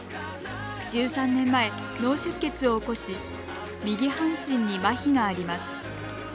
１３年前、脳出血を起こし右半身にまひがあります。